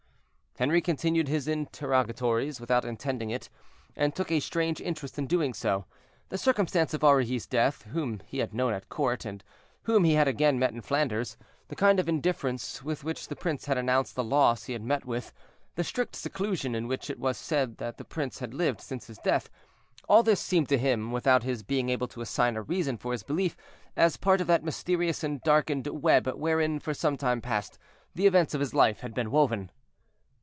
Henri continued his interrogatories without intending it, and took a strange interest in doing so. The circumstance of Aurilly's death, whom he had known at the court, and whom he had again met in Flanders; the kind of indifference with which the prince had announced the loss he had met with; the strict seclusion in which it was said the prince had lived since his death—all this seemed to him, without his being able to assign a reason for his belief, as part of that mysterious and darkened web wherein, for some time past, the events of his life had been woven.